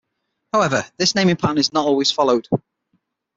However, this naming pattern is not always followed.